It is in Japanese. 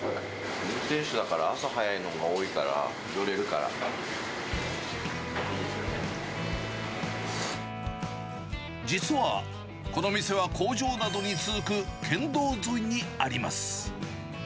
運転手だから、朝早いのが多いから、実は、この店は工場などに続く県道沿いにあります。